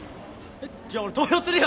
じゃあ俺投票するよ！